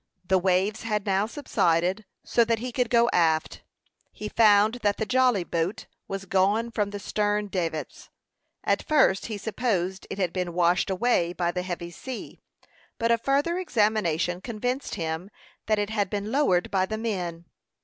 The waves had now subsided, so that he could go aft. He found that the jolly boat was gone from the stern davits. At first he supposed it had been washed away by the heavy sea; but a further examination convinced him that it had been lowered by the men.